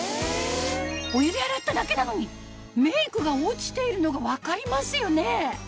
お湯で洗っただけなのにメイクが落ちているのが分かりますよね